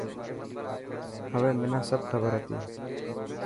هوي منا سب کبر هتي.